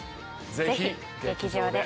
ぜひ劇場で。